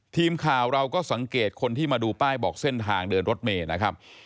ทีมข่าวเราก็สังเกตคนที่มาดูป้ายบอกเส้นทางเดินรถเมย์นะครับ